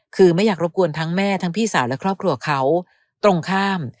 คือไม่อยากรบกวนทั้งแม่ทั้งพี่สาวและครอบครัวเขาตรงข้าม